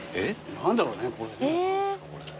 何だろうねこれね。